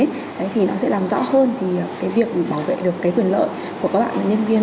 thế thì nó sẽ làm rõ hơn thì cái việc bảo vệ được cái quyền lợi của các bạn nhân viên